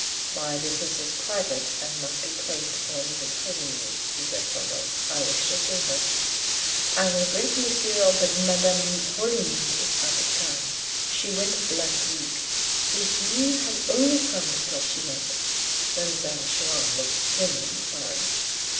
"My business is private, and must be placed before Mrs. Holymead," he said firmly. "I wish to see her." "I regret, monsieur, but Madame Holymead is out of town. She went last week. If you had only come before she went" Mademoiselle Chiron looked genuinely sorry.